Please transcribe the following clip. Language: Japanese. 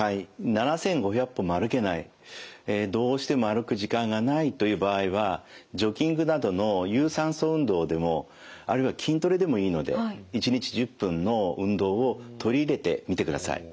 ７，５００歩も歩けないどうしても歩く時間がないという場合はジョギングなどの有酸素運動でもあるいは筋トレでもいいので１日１０分の運動を取り入れてみてください。